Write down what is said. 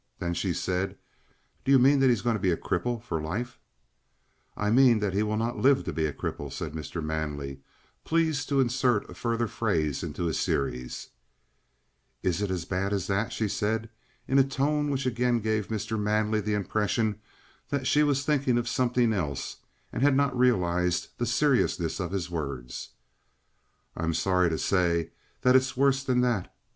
Then she said: "Do you mean that he's going to be a cripple for life?" "I mean that he will not live to be a cripple," said Mr. Manley, pleased to insert a further phrase into his series. "Is it as bad as that?" she said, in a tone which again gave Mr. Manley the impression that she was thinking of something else and had not realized the seriousness of his words. "I'm sorry to say that it's worse than that.